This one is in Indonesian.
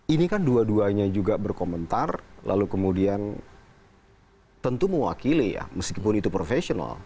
ini kan dua duanya juga berkomentar lalu kemudian tentu mewakili ya meskipun itu profesional